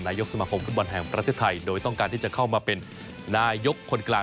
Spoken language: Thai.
นายกสมาคมฟุตบอลแห่งประเทศไทยโดยต้องการที่จะเข้ามาเป็นนายกคนกลาง